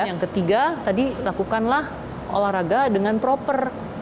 yang ketiga tadi lakukanlah olahraga dengan proper